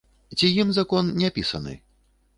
Ці ім закон не пісаны?